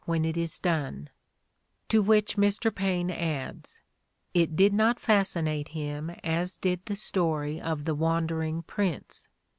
when it is done"; to which Mr. Paine adds: "It did not fascinate him as did the story of the wandering prince.